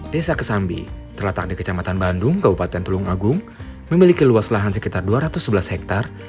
desa kesambi terletak di kecamatan bandung kabupaten tulung agung memiliki luas lahan sekitar dua ratus sebelas hektare